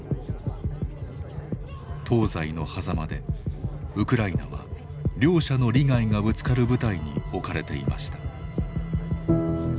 東西のはざまでウクライナは両者の利害がぶつかる舞台に置かれていました。